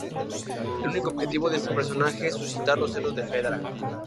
El único objetivo de este personaje es suscitar los celos de Fedra.